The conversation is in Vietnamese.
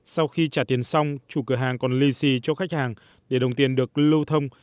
sau khi trả tiền xong chủ cửa hàng còn lì xì cho khách hàng để đồng tiền được lưu thông